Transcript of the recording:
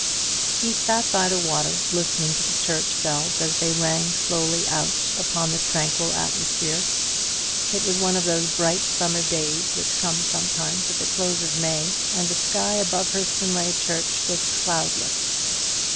He sat by the water listening to the church bells as they rang slowly out upon the tranquil atmosphere. It was one of those bright summer days which come sometimes at the close of May, and the sky above Hurstonleigh church was cloudless.